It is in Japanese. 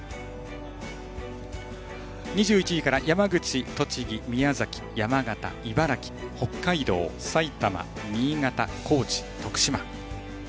２１位から山口、栃木宮崎、山形、茨城北海道、埼玉、新潟、高知、徳島。